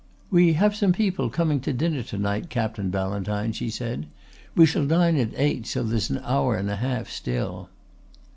"We have some people coming to dinner to night, Captain Ballantyne," she said. "We shall dine at eight, so there's an hour and a half still."